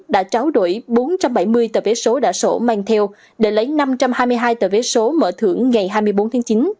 đã tráo đổi bốn trăm bảy mươi tờ vé số đã sổ mang theo để lấy năm trăm hai mươi hai tờ vé số mở thưởng ngày hai mươi bốn tháng chín